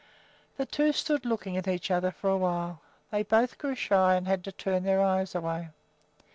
The two stood looking at each other for a while; then both grew shy and had to turn their eyes away.